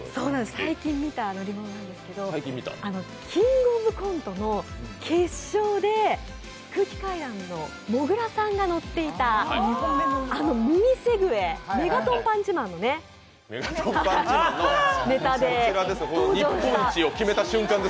最近見た乗り物なんですけど、「キングオブコント」の決勝で空気階段のもぐらさんが乗っていたミニセグウェイ、メガトンパンチマンのネタで登場した。